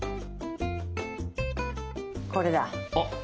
これだ！